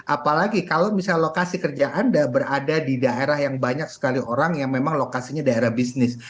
apalagi kalau misalnya lokasi kerja anda berada di daerah yang banyak sekali orang yang memang lokasinya daerah bisnis